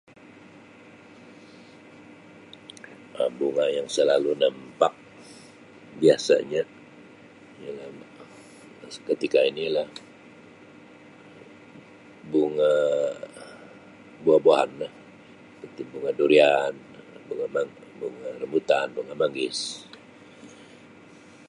Um Bunga yang selalu nampak biasanya ialah seketika ini lah bunga buah-buahanlah seperti bunga durian bunga mang bunga rambutan bunga manggis.